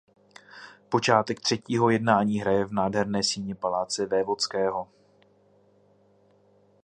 Počátek třetího jednání hraje v nádherné síni paláce vévodského.